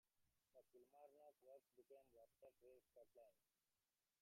The Kilmarnock works became Wabtec Rail Scotland.